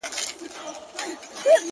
یوه ورځ دهقان له کوره را وتلی،